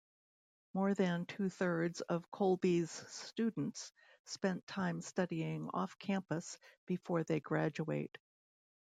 More than two-thirds of Colby's students spend time studying off-campus before they graduate.